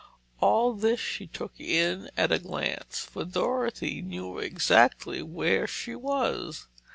All this she took in at a glance, for Dorothy knew exactly where she was.